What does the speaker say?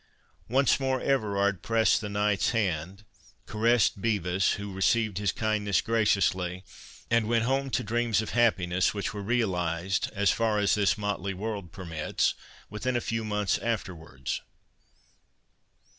Once more Everard pressed the knight's hand, caressed Bevis, who received his kindness graciously, and went home to dreams of happiness, which were realized, as far as this motley world permits, within a few months afterwards.